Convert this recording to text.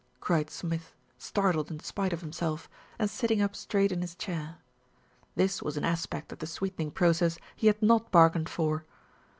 cried Smith, startled in spite of himself, and sitting up straight in his chair. This was an aspect of the sweetening process he had not bargained for.